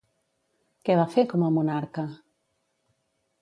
Què va fer, com a monarca?